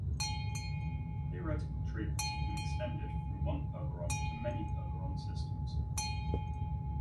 Theoretical treatments have been extended from one-polaron to many-polaron systems.